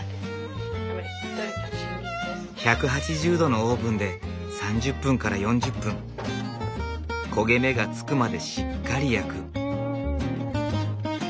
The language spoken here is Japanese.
１８０℃のオーブンで３０分から４０分焦げ目がつくまでしっかり焼く。